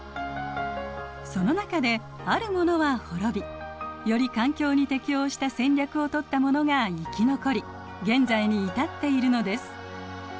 その中であるものは滅びより環境に適応した戦略をとったものが生き残り現在に至っているのです。